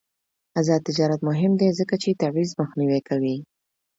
آزاد تجارت مهم دی ځکه چې تبعیض مخنیوی کوي.